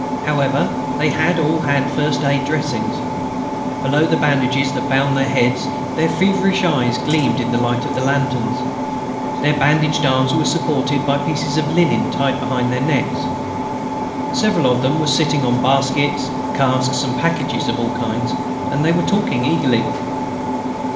However, they had all had first aid dressings. Below the bandages that bound their heads their feverish eyes gleamed in the light of the lanterns. Their bandaged arms were supported by pieces of linen tied behind their necks. Several of them were sitting on baskets, casks and packages of all kinds, and they were talking eagerly.